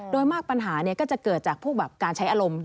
โดยมากปัญหาก็จะเกิดจากพวกแบบการใช้อารมณ์